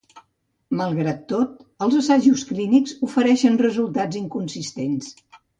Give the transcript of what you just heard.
Malgrat tot, els assajos clínic ofereixen resultats inconsistents.